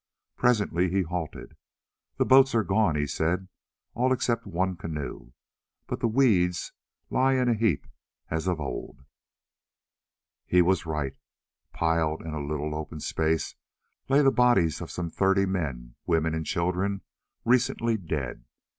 Presently he halted. "The boats are gone," he said, "all except one canoe; but the 'weeds' lie in a heap as of old." He was right. Piled in a little open space lay the bodies of some thirty men, women, and children recently dead.